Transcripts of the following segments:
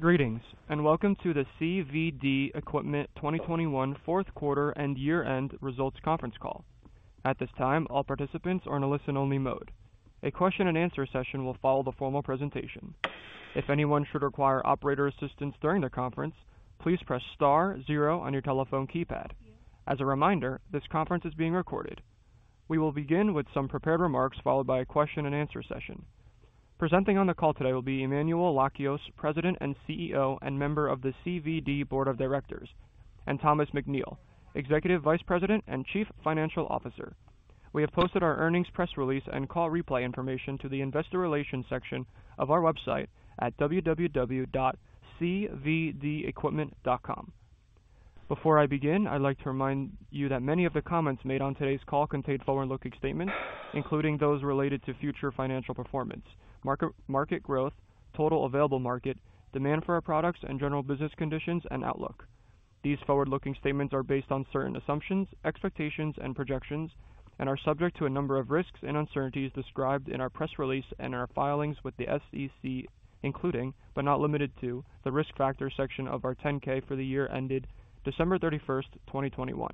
Greetings, and welcome to the CVD Equipment 2021 Q4 and year-end results conference call. At this time, all participants are in a listen-only mode. A question-and-answer session will follow the formal presentation. If anyone should require operator assistance during the conference, please press star zero on your telephone keypad. As a reminder, this conference is being recorded. We will begin with some prepared remarks, followed by a question-and-answer session. Presenting on the call today will be Emmanuel Lakios, President and CEO and member of the CVD Board of Directors, and Thomas McNeill, Executive Vice President and Chief Financial Officer. We have posted our earnings press release and call replay information to the investor relations section of our website at www.cvdequipment.com. Before I begin, I'd like to remind you that many of the comments made on today's call contain forward-looking statements, including those related to future financial performance, market growth, total available market, demand for our products, and general business conditions and outlook. These forward-looking statements are based on certain assumptions, expectations, and projections, and are subject to a number of risks and uncertainties described in our press release and our filings with the SEC, including, but not limited to, the Risk Factors section of our 10-K for the year ended December 31st, 2021.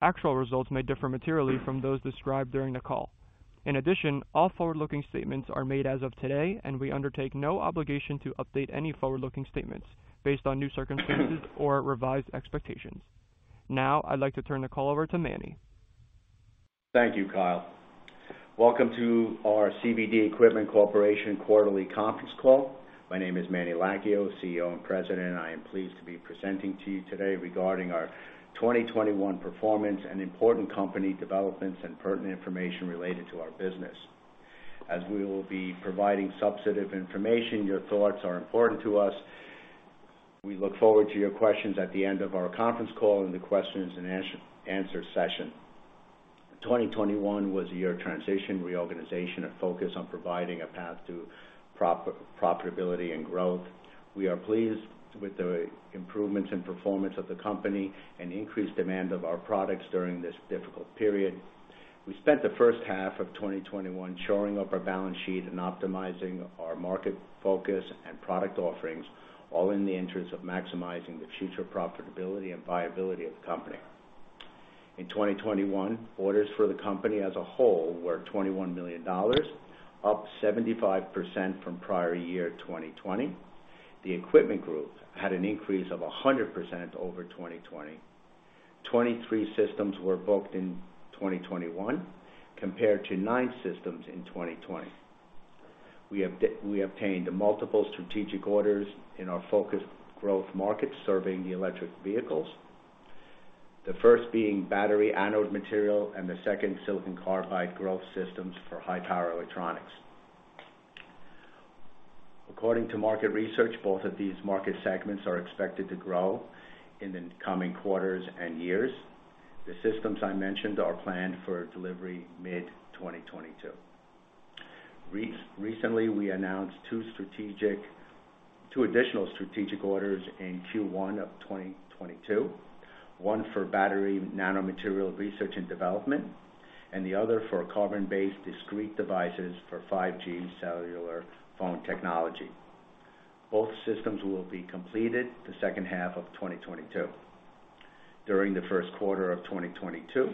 Actual results may differ materially from those described during the call. In addition, all forward-looking statements are made as of today, and we undertake no obligation to update any forward-looking statements based on new circumstances or revised expectations. Now, I'd like to turn the call over to Manny. Thank you, Kyle. Welcome to our CVD Equipment Corporation quarterly conference call. My name is Manny Lakios, CEO and President, and I am pleased to be presenting to you today regarding our 2021 performance and important company developments and pertinent information related to our business. As we will be providing substantive information, your thoughts are important to us. We look forward to your questions at the end of our conference call in the questions-and-answer session. 2021 was a year of transition, reorganization, and focus on providing a path to profitability and growth. We are pleased with the improvements in performance of the company and increased demand of our products during this difficult period. We spent the H1 of 2021 shoring up our balance sheet and optimizing our market focus and product offerings, all in the interest of maximizing the future profitability and viability of the company. In 2021, orders for the company as a whole were $21 million, up 75% from prior year 2020. The equipment group had an increase of 100% over 2020. 23 systems were booked in 2021 compared to nine systems in 2020. We obtained multiple strategic orders in our focused growth markets serving the electric vehicles. The first being battery anode material and the second silicon carbide growth systems for high power electronics. According to market research, both of these market segments are expected to grow in the coming quarters and years. The systems I mentioned are planned for delivery mid-2022. Recently, we announced two additional strategic orders in Q1 of 2022. One for battery nanomaterial research and development, and the other for carbon-based discrete devices for 5G cellular phone technology. Both systems will be completed the H2 of 2022. During the Q1 of 2022,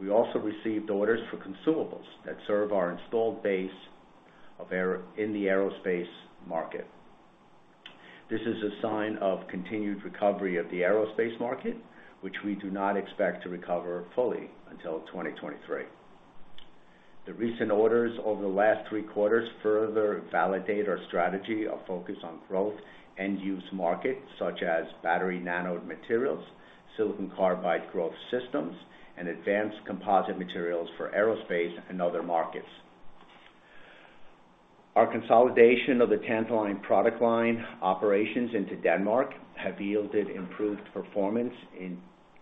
we also received orders for consumables that serve our installed base in the aerospace market. This is a sign of continued recovery of the aerospace market, which we do not expect to recover fully until 2023. The recent orders over the last three quarters further validate our strategy of focus on growth end-use markets such as battery nanomaterial, silicon carbide growth systems, and advanced composite materials for aerospace and other markets. Our consolidation of the Tantaline product line operations into Denmark have yielded improved performance in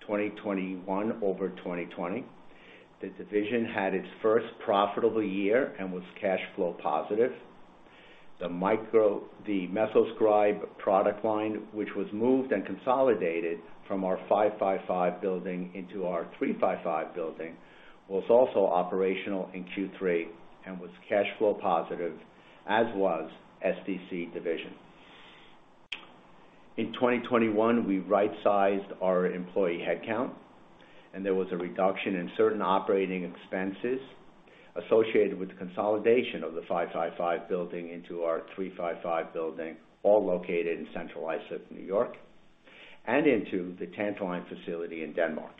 2021 over 2020. The division had its first profitable year and was cash flow positive. The MesoScribe product line, which was moved and consolidated from our 555 building into our 355 building, was also operational in Q3 and was cash flow positive, as was SDC division. In 2021, we right-sized our employee headcount, and there was a reduction in certain operating expenses associated with the consolidation of the 555 building into our 355 building, all located in Central Islip, New York, and into the Tantaline facility in Denmark.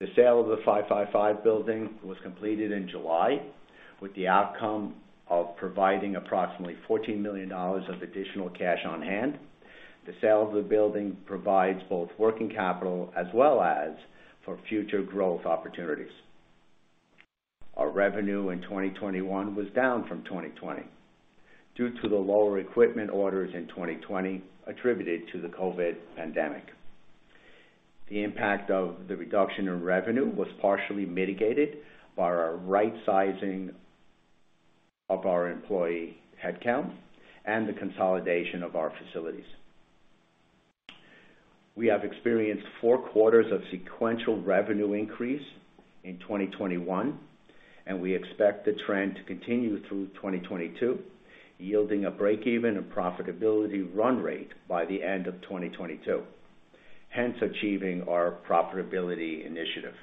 The sale of the 555 building was completed in July, with the outcome of providing approximately $14 million of additional cash on hand. The sale of the building provides both working capital as well as for future growth opportunities. Our revenue in 2021 was down from 2020 due to the lower equipment orders in 2020 attributed to the COVID pandemic. The impact of the reduction in revenue was partially mitigated by our right-sizing of our employee headcount and the consolidation of our facilities. We have experienced four quarters of sequential revenue increase in 2021, and we expect the trend to continue through 2022, yielding a break-even and profitability run rate by the end of 2022, hence achieving our profitability initiative.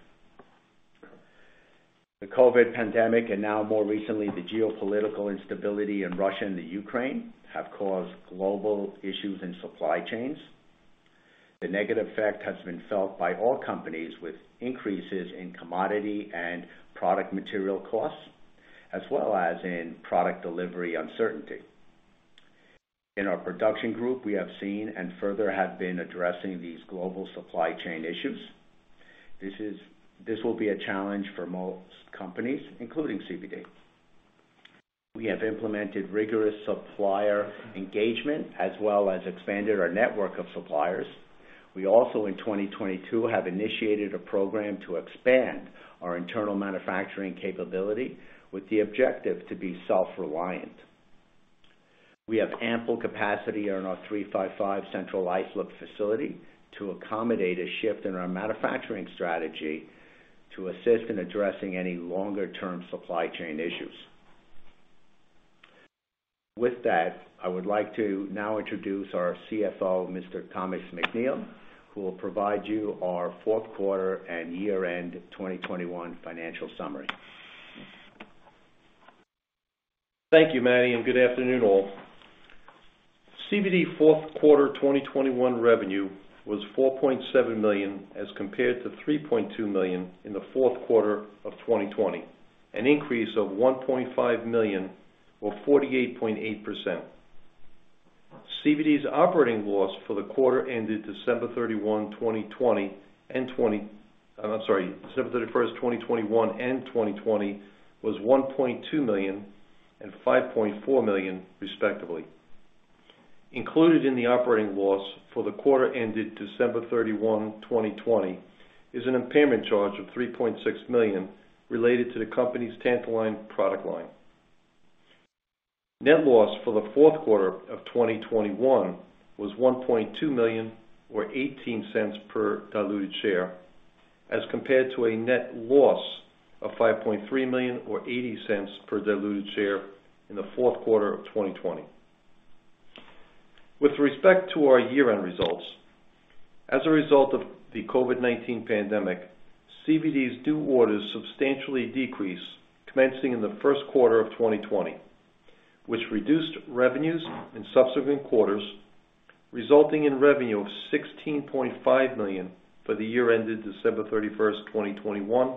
The COVID pandemic, and now more recently, the geopolitical instability in Russia and the Ukraine, have caused global issues in supply chains. The negative effect has been felt by all companies with increases in commodity and product material costs, as well as in product delivery uncertainty. In our production group, we have seen and further have been addressing these global supply chain issues. This will be a challenge for most companies, including CVD. We have implemented rigorous supplier engagement, as well as expanded our network of suppliers. We also, in 2022, have initiated a program to expand our internal manufacturing capability with the objective to be self-reliant. We have ample capacity in our 355 Central Islip facility to accommodate a shift in our manufacturing strategy to assist in addressing any longer-term supply chain issues. With that, I would like to now introduce our CFO, Mr. Thomas McNeill, who will provide you our Q4 and year-end 2021 financial summary. Thank you, Manny, and good afternoon, all. CVD Q4 2021 revenue was $4.7 million as compared to $3.2 million in the Q4 of 2020, an increase of $1.5 million or 48.8%. CVD's operating loss for the quarter ended December 31, 2021 and 2020 was $1.2 million and $5.4 million, respectively. Included in the operating loss for the quarter ended December 31, 2020 is an impairment charge of $3.6 million related to the company's Tantaline product line. Net loss for the Q4 of 2021 was $1.2 million or $0.18 per diluted share, as compared to a net loss of $5.3 million or $0.80 per diluted share in the Q4 of 2020. With respect to our year-end results, as a result of the COVID-19 pandemic, CVD's new orders substantially decreased commencing in the Q1 of 2020, which reduced revenues in subsequent quarters, resulting in revenue of $16.5 million for the year ended December 31st, 2021,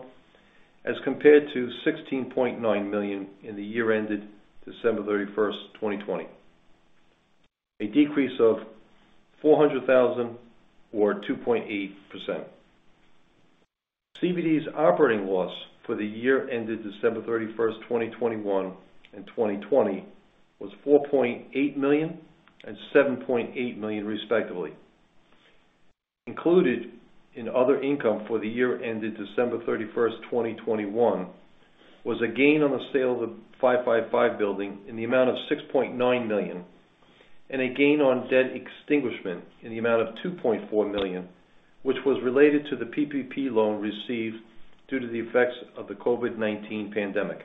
as compared to $16.9 million in the year ended December 31st, 2020. A decrease of $400,000 or 2.8%. CVD's operating loss for the year ended December 31st, 2021 and 2020 was $4.8 million and $7.8 million, respectively. Included in other income for the year ended December 31st, 2021 was a gain on the sale of the 555 building in the amount of $6.9 million and a gain on debt extinguishment in the amount of $2.4 million, which was related to the PPP loan received due to the effects of the COVID-19 pandemic.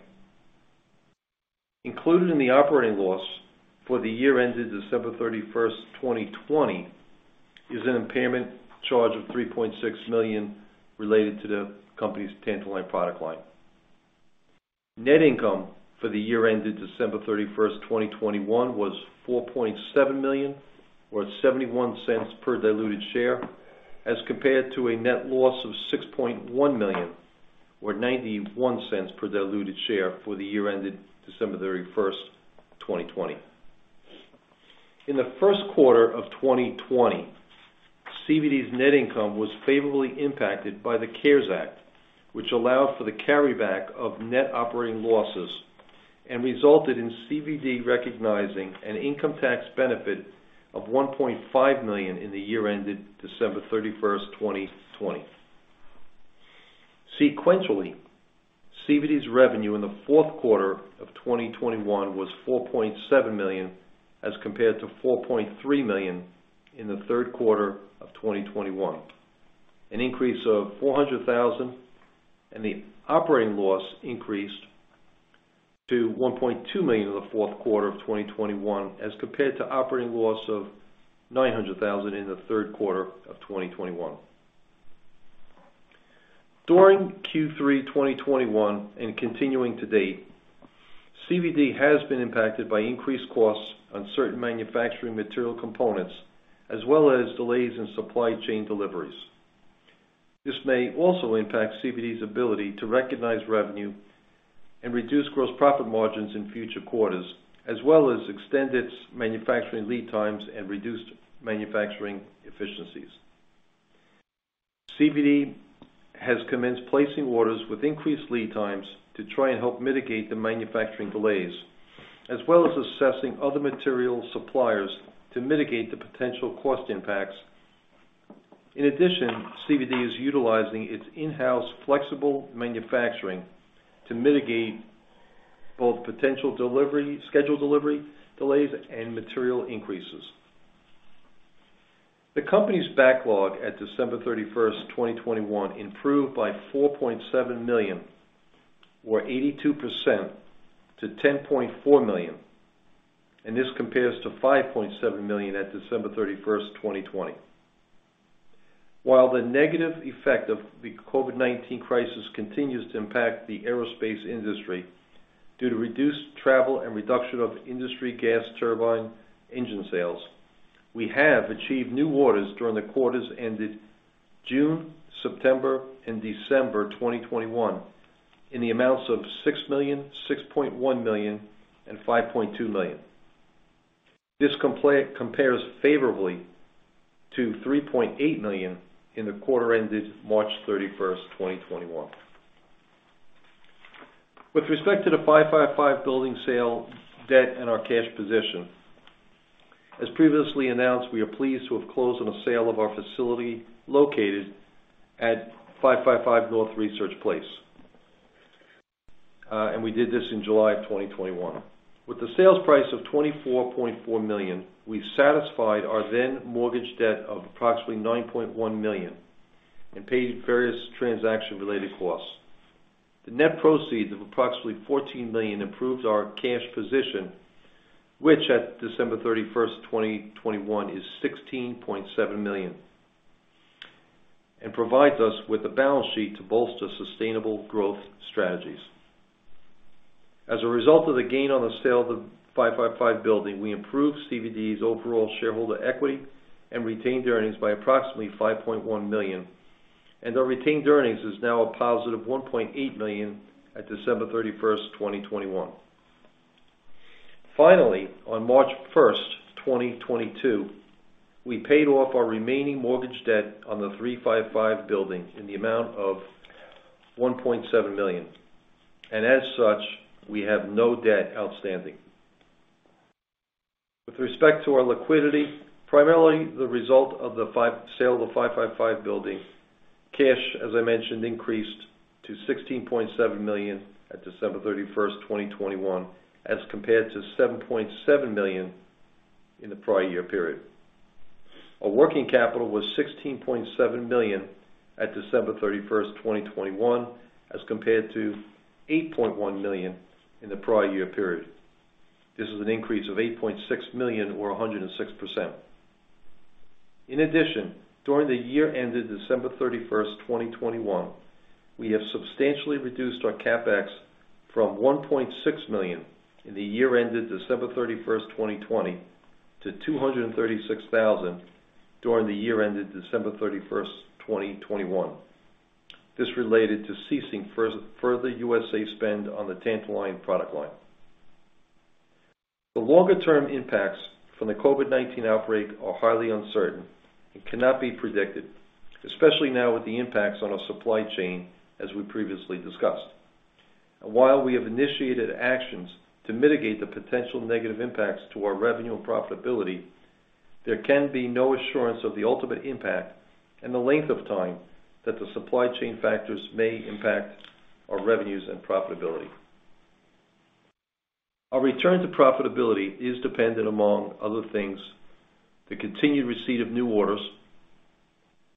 Included in the operating loss for the year ended December 31st, 2020 is an impairment charge of $3.6 million related to the company's Tantaline product line. Net income for the year ended December 31st, 2021 was $4.7 million or $0.71 per diluted share, as compared to a net loss of $6.1 million or $0.91 per diluted share for the year ended December 31st, 2020. In the Q1 of 2020, CVD's net income was favorably impacted by the CARES Act, which allowed for the carryback of net operating losses and resulted in CVD recognizing an income tax benefit of $1.5 million in the year ended December 31st, 2020. Sequentially, CVD's revenue in the Q4 of 2021 was $4.7 million as compared to $4.3 million in the Q3 of 2021. An increase of $400,000, and the operating loss increased to $1.2 million in the Q4 of 2021 as compared to operating loss of $900,000 in the third quarter of 2021. During Q3 2021 and continuing to date, CVD has been impacted by increased costs on certain manufacturing material components, as well as delays in supply chain deliveries. This may also impact CVD's ability to recognize revenue and reduce gross profit margins in future quarters, as well as extend its manufacturing lead times and reduced manufacturing efficiencies. CVD has commenced placing orders with increased lead times to try and help mitigate the manufacturing delays, as well as assessing other material suppliers to mitigate the potential cost impacts. In addition, CVD is utilizing its in-house flexible manufacturing to mitigate both potential delivery, scheduled delivery delays, and material increases. The company's backlog at December 31st, 2021 improved by $4.7 million, or 82% to $10.4 million, and this compares to $5.7 million at December 31st, 2020. While the negative effect of the COVID-19 crisis continues to impact the aerospace industry due to reduced travel and reduction of industry gas turbine engine sales, we have achieved new orders during the quarters ended June, September, and December 2021 in the amounts of $6 million, $6.1 million, and $5.2 million. This compares favorably to $3.8 million in the quarter ended March 31st, 2021. With respect to the 555 building sale debt and our cash position, as previously announced, we are pleased to have closed on the sale of our facility located at 555 North Research Place. We did this in July 2021. With the sales price of $24.4 million, we satisfied our then mortgage debt of approximately $9.1 million and paid various transaction-related costs. The net proceeds of approximately $14 million improves our cash position, which at December 31st, 2021, is $16.7 million, and provides us with the balance sheet to bolster sustainable growth strategies. As a result of the gain on the sale of the 555 building, we improved CVD's overall shareholder equity and retained earnings by approximately $5.1 million, and our retained earnings is now a positive $1.8 million at December 31st, 2021. Finally, on March 1st, 2022, we paid off our remaining mortgage debt on the 355 building in the amount of $1.7 million. As such, we have no debt outstanding. With respect to our liquidity, primarily the result of the sale of the 555 building, cash, as I mentioned, increased to $16.7 million at December 31st, 2021, as compared to $7.7 million in the prior year period. Our working capital was $16.7 million at December 31st, 2021, as compared to $8.1 million in the prior year period. This is an increase of $8.6 million or 106%. In addition, during the year ended December 31st, 2021, we have substantially reduced our CapEx from $1.6 million in the year ended December 31st, 2020 to $236,000 during the year ended December 31st, 2021. This related to ceasing further USA spend on the tantalum product line. The longer term impacts from the COVID-19 outbreak are highly uncertain and cannot be predicted, especially now with the impacts on our supply chain, as we previously discussed. While we have initiated actions to mitigate the potential negative impacts to our revenue and profitability, there can be no assurance of the ultimate impact and the length of time that the supply chain factors may impact our revenues and profitability. Our return to profitability is dependent, among other things, the continued receipt of new orders,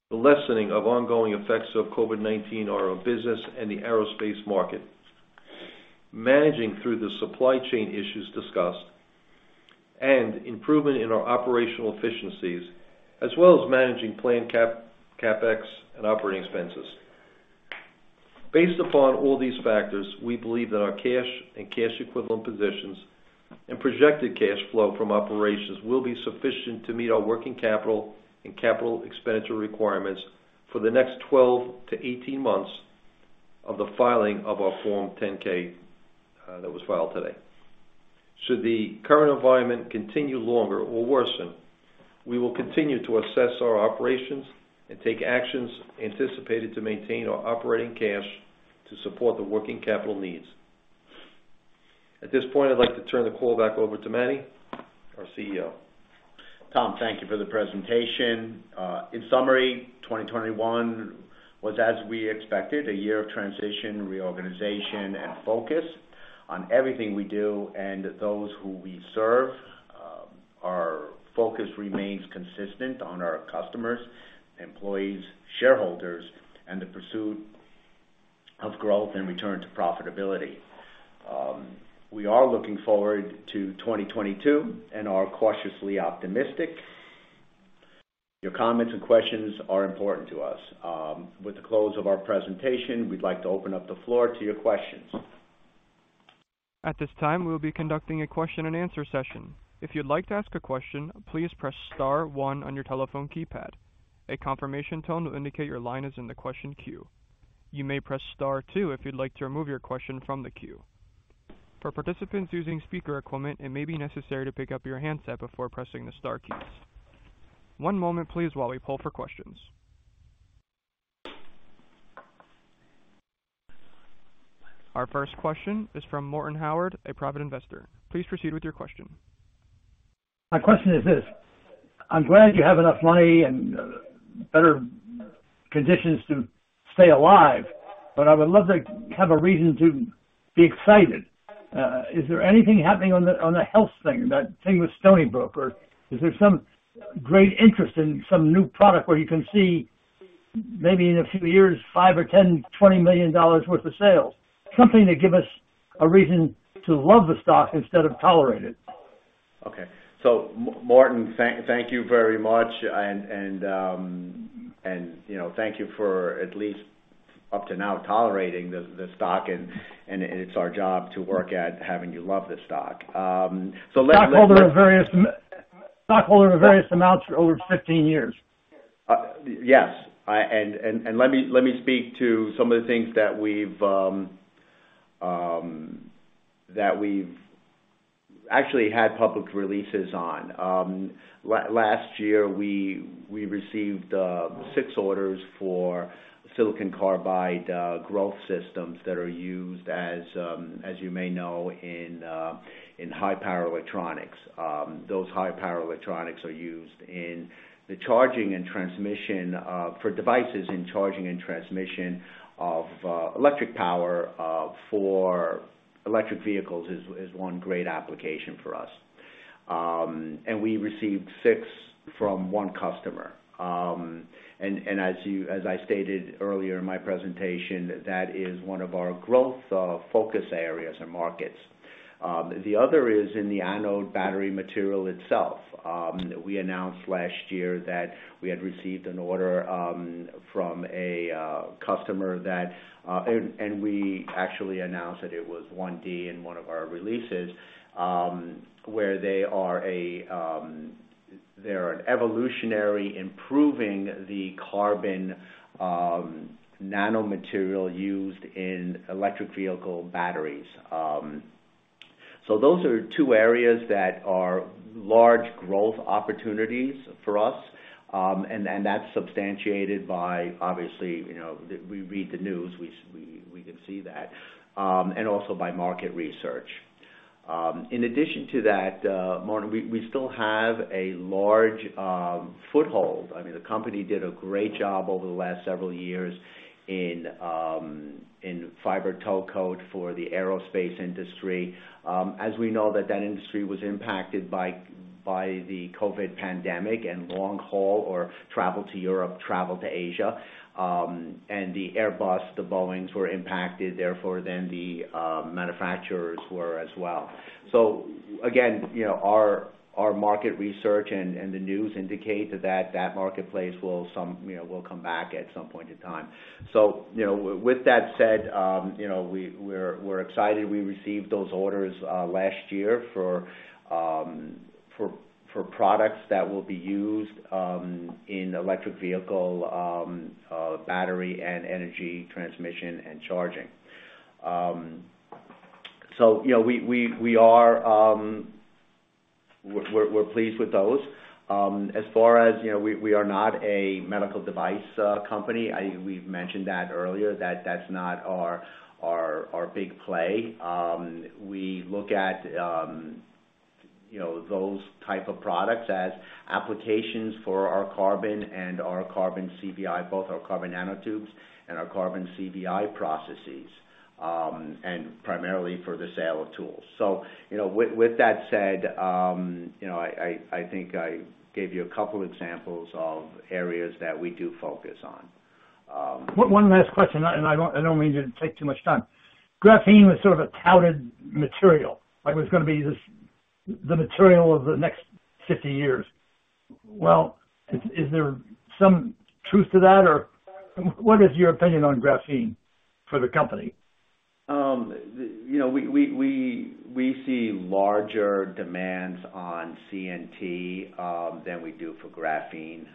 the lessening of ongoing effects of COVID-19 on our business and the aerospace market, managing through the supply chain issues discussed and improvement in our operational efficiencies, as well as managing planned CapEx and operating expenses. Based upon all these factors, we believe that our cash and cash equivalent positions and projected cash flow from operations will be sufficient to meet our working capital and capital expenditure requirements for the next 12-18 months of the filing of our Form 10-K that was filed today. Should the current environment continue longer or worsen, we will continue to assess our operations and take actions anticipated to maintain our operating cash to support the working capital needs. At this point, I'd like to turn the call back over to Manny, our CEO. Tom, thank you for the presentation. In summary, 2021 was, as we expected, a year of transition, reorganization, and focus on everything we do and those who we serve. Our focus remains consistent on our customers, employees, shareholders, and the pursuit of growth and return to profitability. We are looking forward to 2022 and are cautiously optimistic. Your comments and questions are important to us. With the close of our presentation, we'd like to open up the floor to your questions. At this time, we'll be conducting a question and answer session. If you'd like to ask a question, please press star one on your telephone keypad. A confirmation tone will indicate your line is in the question queue. You may press star two if you'd like to remove your question from the queue. For participants using speaker equipment, it may be necessary to pick up your handset before pressing the star keys. One moment please while we pull for questions. Our first question is from Morton Howard, a private investor. Please proceed with your question. My question is this. I'm glad you have enough money and better conditions to stay alive, but I would love to have a reason to be excited. Is there anything happening on the, on the health thing, that thing with Stony Brook? Or is there some great interest in some new product where you can see maybe in a few years, five or 10, $20 million worth of sales? Something to give us a reason to love the stock instead of tolerate it. Okay. Morton, thank you very much. You know, thank you for at least up to now tolerating the stock and it's our job to work at having you love the stock. Let me- Stockholder of various amounts for over 15 years. Yes. Let me speak to some of the things that we've actually had public releases on. Last year, we received six orders for silicon carbide growth systems that are used, as you may know, in high power electronics. Those high power electronics are used in the charging and transmission for devices in charging and transmission of electric power for electric vehicles, which is one great application for us. We received six from one customer. As I stated earlier in my presentation, that is one of our growth focus areas and markets. The other is in the anode battery material itself. We announced last year that we had received an order from a customer that we actually announced that it was OneD in one of our releases, where they're revolutionizing the carbon nanomaterial used in electric vehicle batteries. Those are two areas that are large growth opportunities for us. That's substantiated by obviously, you know, we read the news, we can see that, and also by market research. In addition to that, Morton, we still have a large foothold. I mean, the company did a great job over the last several years in fiber tow code for the aerospace industry. As we know, that industry was impacted by the COVID pandemic and long-haul air travel to Europe, travel to Asia, and the Airbus, the Boeing were impacted, therefore the manufacturers were as well. Again, you know, our market research and the news indicate that that marketplace will come back at some point in time. You know, with that said, you know, we're excited we received those orders last year for products that will be used in electric vehicle battery and energy transmission and charging. You know, we are pleased with those. As far as you know, we are not a medical device company. We've mentioned that earlier, that that's not our big play. We look at, you know, those type of products as applications for our carbon and our carbon CVI, both our carbon nanotubes and our carbon CVI processes, and primarily for the sale of tools. You know, with that said, you know, I think I gave you a couple examples of areas that we do focus on. One last question, and I don't mean to take too much time. Graphene was sort of a touted material, like it was gonna be this, the material of the next 50 years. Well, is there some truth to that? Or what is your opinion on graphene for the company? You know, we see larger demands on CNT than we do for graphene.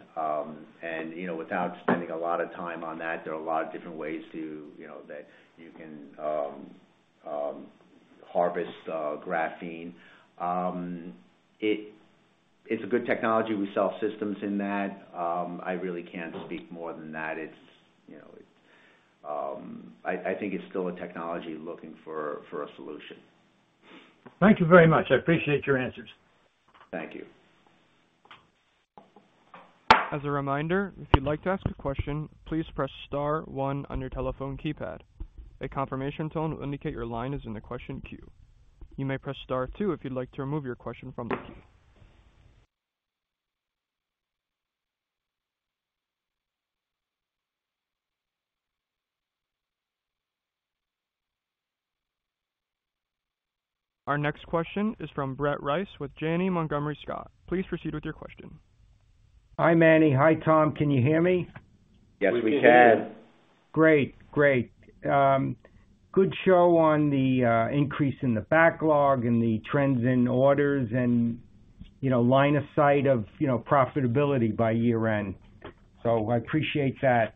You know, without spending a lot of time on that, there are a lot of different ways to, you know, that you can harvest graphene. It's a good technology. We sell systems in that. I really can't speak more than that. It's, you know, I think it's still a technology looking for a solution. Thank you very much. I appreciate your answers. Thank you. As a reminder, if you'd like to ask a question, please press star one on your telephone keypad. A confirmation tone will indicate your line is in the question queue. You may press star two if you'd like to remove your question from the queue. Our next question is from Brett Rice with Janney Montgomery Scott. Please proceed with your question. Hi, Manny. Hi, Tom. Can you hear me? Yes, we can. We can hear you. Great. Good show on the increase in the backlog and the trends in orders and, you know, line of sight of, you know, profitability by year-end. I appreciate that.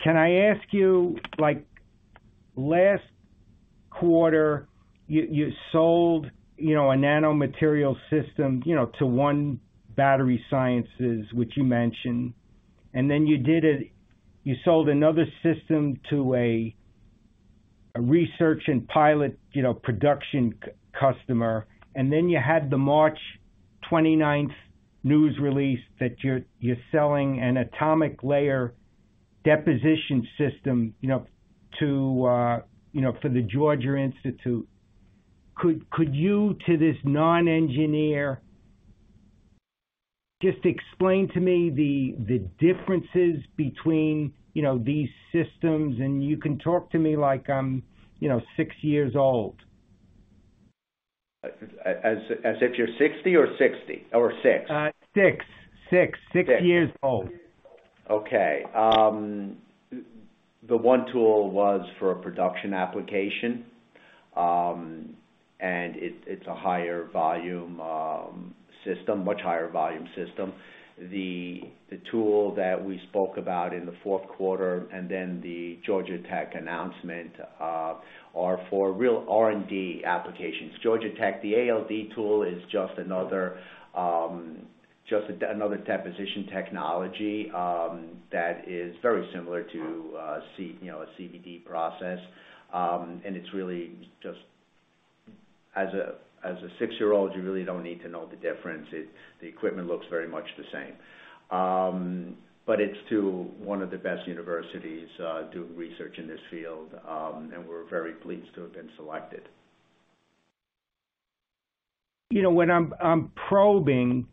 Can I ask you, like last quarter, you sold, you know, a nanomaterial system, you know, to OneD Battery Sciences, which you mentioned, and then you sold another system to a research and pilot, you know, production customer. You had the March twenty-ninth news release that you're selling an atomic layer deposition system, you know, to, you know, for the Georgia Institute. Could you, to this non-engineer, just explain to me the differences between, you know, these systems? You can talk to me like I'm, you know, six years old. As if you're 60 or 60? Or 6? Six. Six. Six years old. Okay. The one tool was for a production application, and it's a higher volume system, much higher volume system. The tool that we spoke about in the fourth quarter and then the Georgia Tech announcement are for real R&D applications. Georgia Tech, the ALD tool is just another deposition technology that is very similar to a CVD process, you know. It's really just as a six-year-old, you really don't need to know the difference. The equipment looks very much the same. It's to one of the best universities doing research in this field. We're very pleased to have been selected. You know, what I'm probing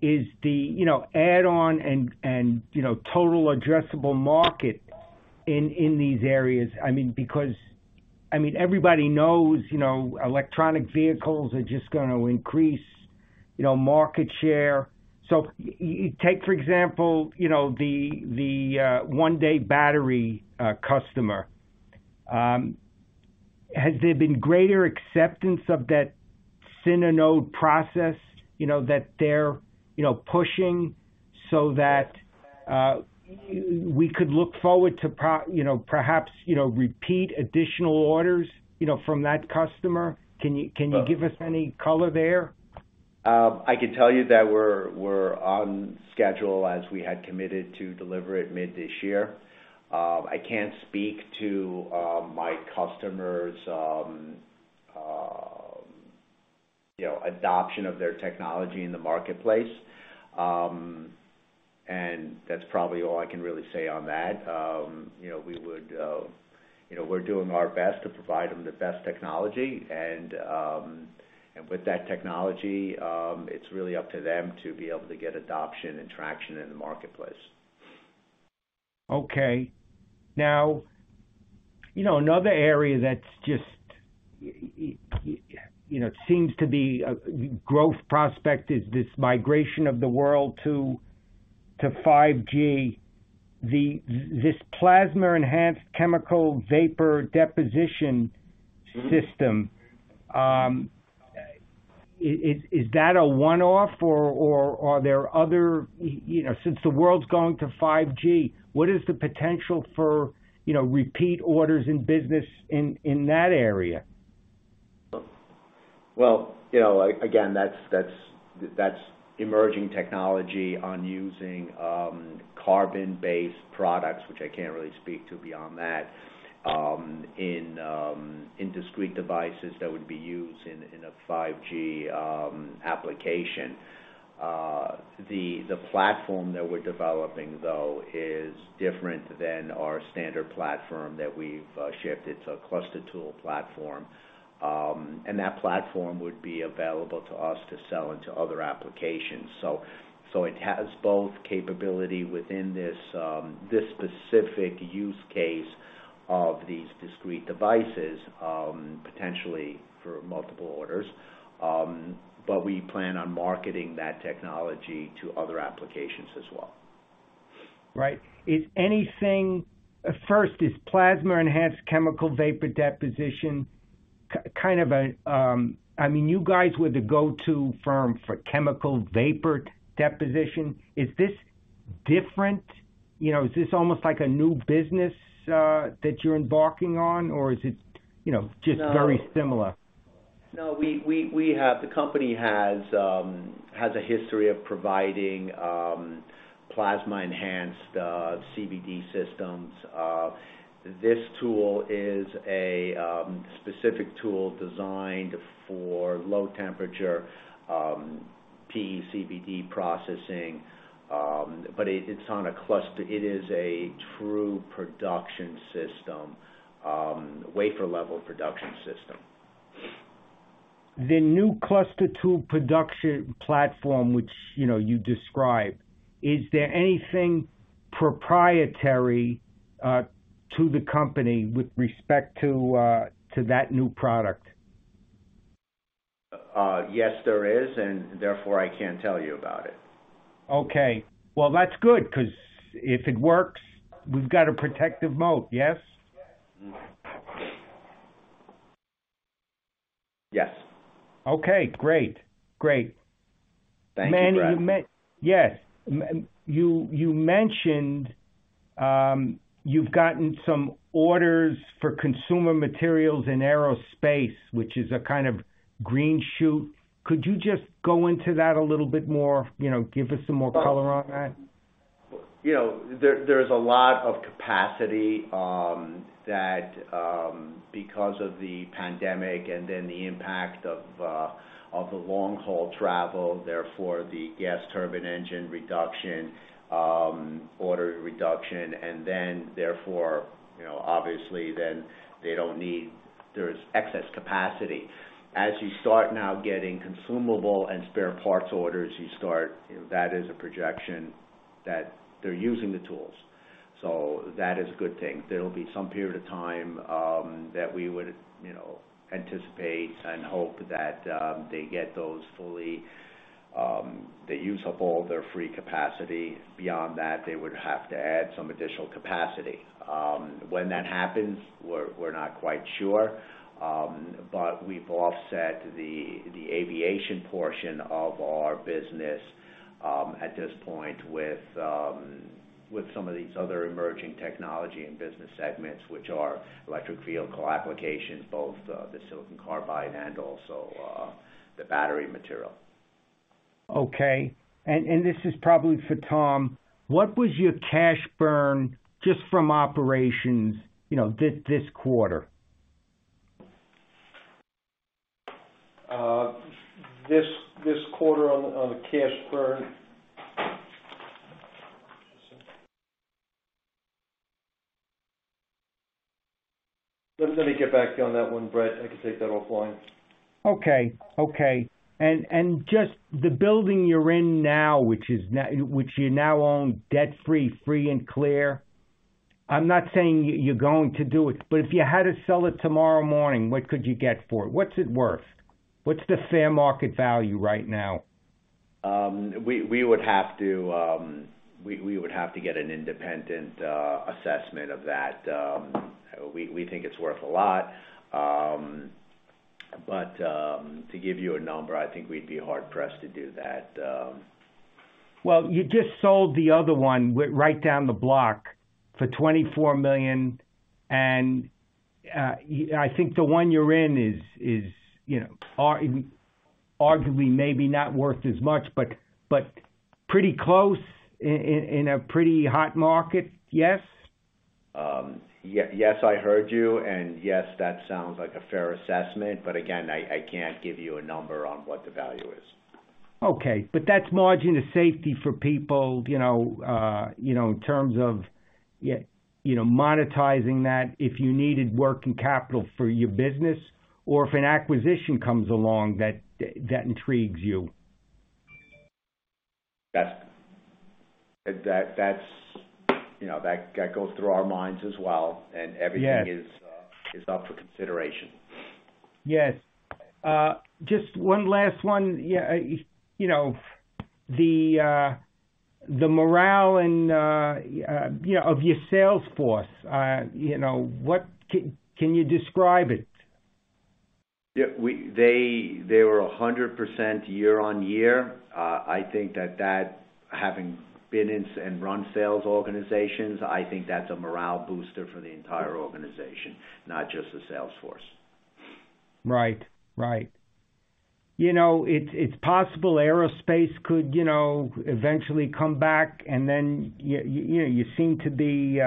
is the, you know, add-on and, you know, total addressable market in these areas. I mean, because I mean, everybody knows, you know, electric vehicles are just gonna increase, you know, market share. You take, for example, you know, the OneD Battery customer. Has there been greater acceptance of that SINANODE process, you know, that they're, you know, pushing so that we could look forward to, you know, perhaps, you know, repeat additional orders, you know, from that customer? Can you give us any color there? I can tell you that we're on schedule as we had committed to deliver it mid this year. I can't speak to my customers' adoption of their technology in the marketplace, you know. That's probably all I can really say on that. You know, we're doing our best to provide them the best technology. With that technology, it's really up to them to be able to get adoption and traction in the marketplace. Okay. Now, you know, another area that's just you know seems to be a growth prospect is this migration of the world to 5G. This plasma enhanced chemical vapor deposition system is that a one-off or are there other, you know, since the world's going to 5G, what is the potential for, you know, repeat orders in business in that area? Well, you know, again, that's emerging technology on using carbon-based products, which I can't really speak to beyond that, in discrete devices that would be used in a 5G application. The platform that we're developing, though, is different than our standard platform that we've shipped. It's a cluster tool platform. That platform would be available to us to sell into other applications. It has both capability within this specific use case of these discrete devices, potentially for multiple orders. We plan on marketing that technology to other applications as well. Right. First, is plasma enhanced chemical vapor deposition kind of a, I mean, you guys were the go-to firm for chemical vapor deposition. Is this different? You know, is this almost like a new business that you're embarking on, or is it, you know, just very similar? No. The company has a history of providing plasma-enhanced CVD systems. This tool is a specific tool designed for low-temperature PECVD processing, but it is a true production system, wafer-level production system. The new cluster tool production platform, which, you know, you described, is there anything proprietary to the company with respect to that new product? Yes, there is, and therefore, I can't tell you about it. Okay. Well, that's good, 'cause if it works, we've got a protective moat. Yes? Yes. Okay, great. Great. Thank you, Brett. Manny, you mentioned you've gotten some orders for consumer materials in aerospace, which is a kind of green shoot. Could you just go into that a little bit more, you know, give us some more color on that? You know, there's a lot of capacity because of the pandemic and then the impact of the long-haul travel, therefore the gas turbine engine reduction, order reduction, and then therefore, you know, obviously then they don't need. There's excess capacity. As you start now getting consumable and spare parts orders, you know, that is a projection that they're using the tools. That is a good thing. There'll be some period of time that we would, you know, anticipate and hope that they get those fully, they use up all their free capacity. Beyond that, they would have to add some additional capacity. When that happens, we're not quite sure. We've offset the aviation portion of our business at this point with some of these other emerging technology and business segments, which are electric vehicle applications, both the silicon carbide and also the battery material. Okay. This is probably for Tom. What was your cash burn just from operations, you know, this quarter? This quarter on the cash burn. Just let me get back on that one, Brett. I can take that offline. Just the building you're in now, which you now own debt-free, free and clear. I'm not saying you're going to do it, but if you had to sell it tomorrow morning, what could you get for it? What's it worth? What's the fair market value right now? We would have to get an independent assessment of that. We think it's worth a lot. To give you a number, I think we'd be hard pressed to do that. Well, you just sold the other one right down the block for $24 million, and I think the one you're in is, you know, arguably maybe not worth as much, but pretty close in a pretty hot market, yes? Yes, I heard you, and yes, that sounds like a fair assessment, but again, I can't give you a number on what the value is. Okay, that's margin of safety for people, you know, you know, in terms of you know, monetizing that if you needed working capital for your business or if an acquisition comes along that intrigues you. You know, that goes through our minds as well. Yes. Everything is up for consideration. Yes. Just one last one. Yeah, you know, the morale, you know, of your sales force, you know. Can you describe it? They were 100% year-over-year. I think that having been in sales and run sales organizations, I think that's a morale booster for the entire organization, not just the sales force. Right. You know, it's possible aerospace could, you know, eventually come back and then, you know, you seem to be,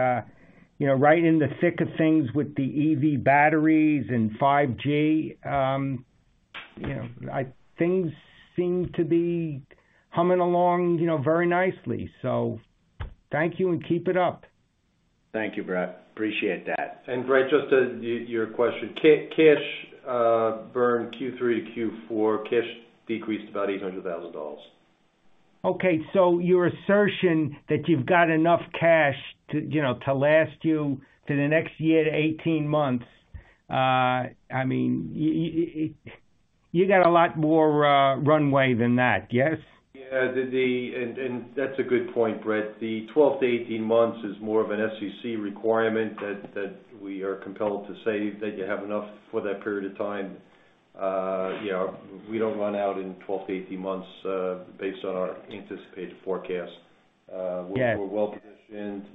you know, right in the thick of things with the EV batteries and 5G. You know, things seem to be humming along, you know, very nicely. Thank you, and keep it up. Thank you, Brett. Appreciate that. Brett, just to your question. Cash burn Q3 to Q4, cash decreased about $800,000. Okay. Your assertion that you've got enough cash to, you know, to last you to the next year to 18 months. I mean, you got a lot more runway than that, yes? Yeah. That's a good point, Brett. The 12-18 months is more of an SEC requirement that we are compelled to say that you have enough for that period of time. You know, we don't run out in 12-18 months based on our anticipated forecast. Yeah. We're well-positioned.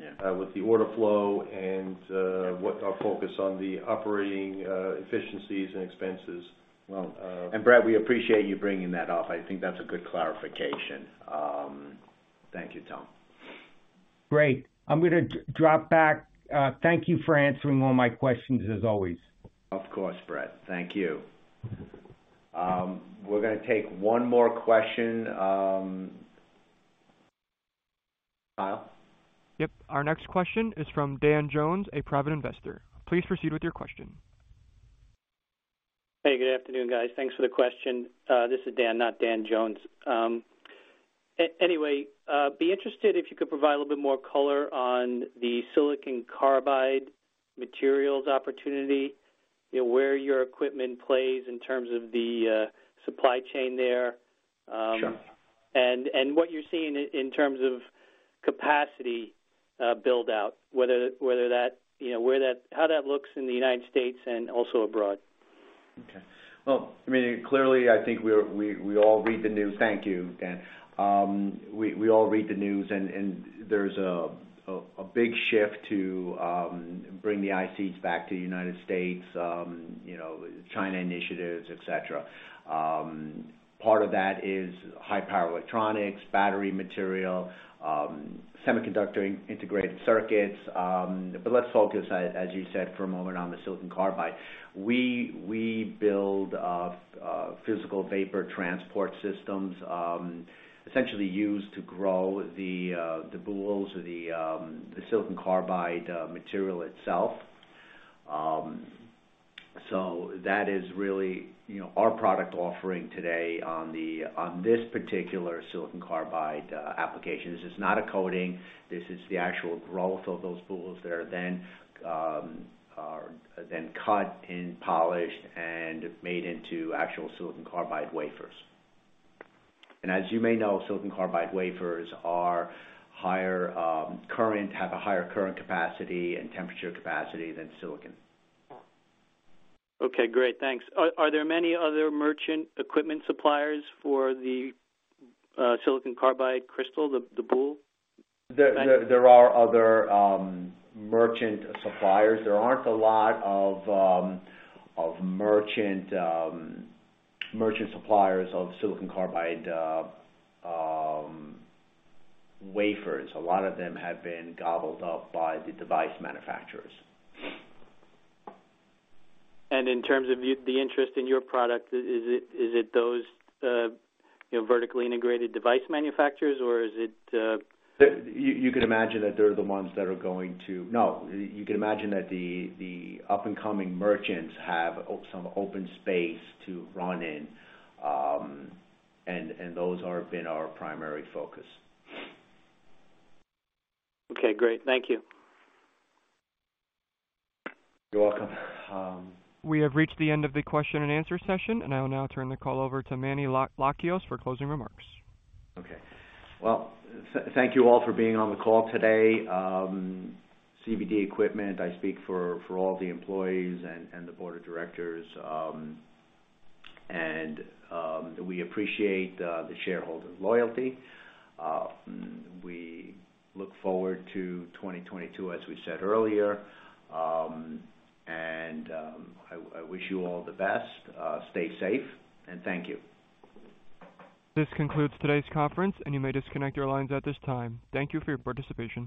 Yeah. With the order flow and what our focus on the operating efficiencies and expenses. Brett, we appreciate you bringing that up. I think that's a good clarification. Thank you, Tom. Great. I'm gonna drop back. Thank you for answering all my questions as always. Of course, Brett. Thank you. We're gonna take one more question, Kyle? Yep. Our next question is from Dan Jones, a private investor. Please proceed with your question. Hey, good afternoon, guys. Thanks for the question. This is Dan, not Dan Jones. Anyway, I'd be interested if you could provide a little bit more color on the silicon carbide materials opportunity, you know, where your equipment plays in terms of the supply chain there. Sure. What you're seeing in terms of capacity build out, whether that, you know, where that looks in the United States and also abroad. Well, I mean, clearly, I think we all read the news. Thank you, Dan. We all read the news and there's a big shift to bring the ICs back to the United States, you know, China initiatives, et cetera. Part of that is high power electronics, battery material, semiconductor integrated circuits. Let's focus, as you said, for a moment on the silicon carbide. We build physical vapor transport systems, essentially used to grow the boules or the silicon carbide material itself. That is really, you know, our product offering today on this particular silicon carbide application. This is not a coating. This is the actual growth of those boules that are then cut and polished and made into actual silicon carbide wafers. Silicon carbide wafers have a higher current capacity and temperature capacity than silicon. Okay, great. Thanks. Are there many other merchant equipment suppliers for the silicon carbide crystal, the boule? There are other merchant suppliers. There aren't a lot of merchant suppliers of silicon carbide wafers. A lot of them have been gobbled up by the device manufacturers. In terms of the interest in your product, is it those vertically integrated device manufacturers or is it You can imagine that the up-and-coming merchants have some open space to run in, and those have been our primary focus. Okay, great. Thank you. You're welcome. We have reached the end of the question and answer session, and I will now turn the call over to Manny Lakios for closing remarks. Okay. Well, thank you all for being on the call today. CVD Equipment, I speak for all the employees and the board of directors. We appreciate the shareholders' loyalty. We look forward to 2022, as we said earlier. I wish you all the best. Stay safe, and thank you. This concludes today's conference, and you may disconnect your lines at this time. Thank you for your participation.